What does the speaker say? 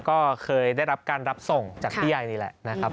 ก็เคยได้รับการรับส่งจากพี่ใหญ่นี่แหละนะครับ